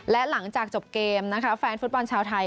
และหลังจากจบเกมนะคะแฟนฟุตบอลชาวไทย